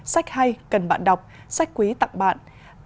sách hay cần bạn đọc sách quý tặng bạn